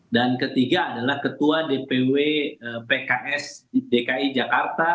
dan ketiga adalah ketua dpw pks dki jakarta